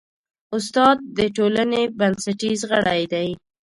استاد د ټولنې بنسټیز غړی دی.